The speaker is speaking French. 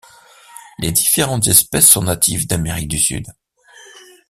Les différentes espèces sont natives d'Amérique du Sud.